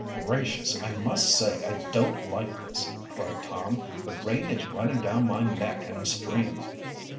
"Gracious! I must say I don't like this!" cried Tom. "The rain is running down my neck in a stream."